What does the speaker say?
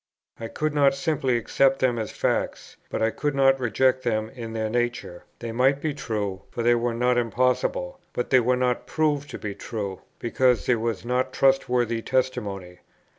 I could not simply accept them as facts, but I could not reject them in their nature; they might be true, for they were not impossible; but they were not proved to be true, because there was not trustworthy testimony.